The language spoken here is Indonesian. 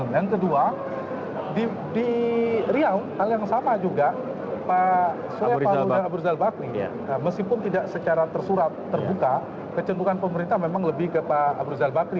dan kedua di riau hal yang sama juga pak surya pak luna abu rizal bakri meskipun tidak secara tersurah terbuka kecembuhan pemerintah memang lebih ke pak abu rizal bakri